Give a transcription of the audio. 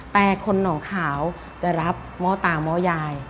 แต่คนหนองขาวจะรับหม้อตาม้อยาย